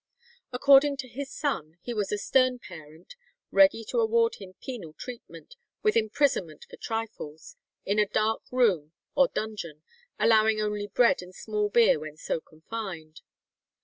According to his son, he was a stern parent, ready to award him penal treatment, with imprisonment for trifles, "in a little dark room or dungeon, allowing only bread and small beer when so confined."